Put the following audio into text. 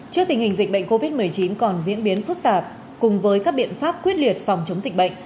trước tình hình dịch bệnh covid một mươi chín còn diễn biến phức tạp cùng với các biện pháp quyết liệt phòng chống dịch bệnh